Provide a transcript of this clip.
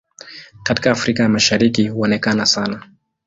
Katika Afrika ya Mashariki huonekana sana.